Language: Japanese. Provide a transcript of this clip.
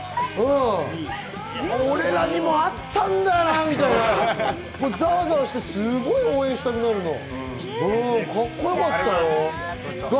俺らにもあったんだよなみたいな、ざわざわしてすごく応援したくなるよ。